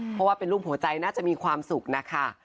เพราะว่าเป็นรูปหัวใจน่าจะมีความสุขนะคะ